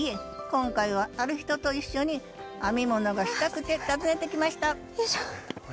今回はある人と一緒に編み物がしたくて訪ねてきましたよいしょ。